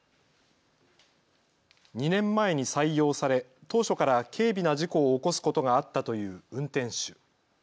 ２年前に採用され、当初から軽微な事故を起こすことがあったという運転手。